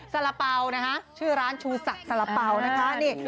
สารเปราชื่อร้านชูสักสารเปรานี่